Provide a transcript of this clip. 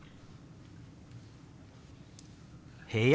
「部屋」。